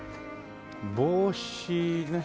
帽子ね。